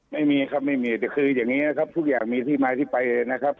ไม่มีครับไม่มีแต่คืออย่างนี้นะครับทุกอย่างมีที่มาที่ไปนะครับ